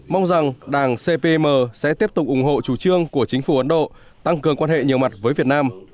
mong rằng đảng cpm sẽ tiếp tục ủng hộ chủ trương của chính phủ ấn độ tăng cường quan hệ nhiều mặt với việt nam